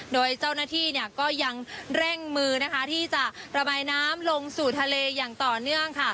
โดยเจ้าหน้าที่ยังแร่งมือระบายน้ำลงอย่างต่อเนื่อง